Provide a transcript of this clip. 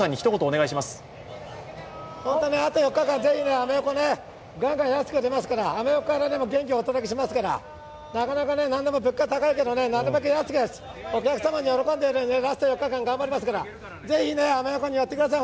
あと４日間、ぜひ、アメ横ね、ガンガン安く売りますからアメ横から元気をお届けしますからなかなか何でも物価高いけどお客様に喜んでもらうようにラスト４日間、頑張りますから、ぜひね、アメ横に寄ってください。